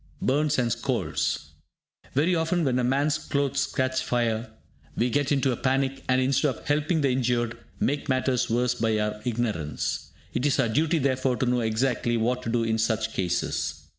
_) BURNS AND SCALDS Very often when a man's clothes catch fire, we get into a panic, and, instead of helping the injured, make matters worse by our ignorance. It is our duty, therefore, to know exactly what to do in such cases.